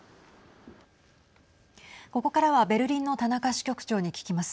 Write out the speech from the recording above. ここからはベルリンの田中支局長に聞きます。